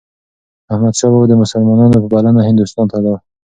احمدشاه بابا د مسلمانانو په بلنه هندوستان ته لاړ.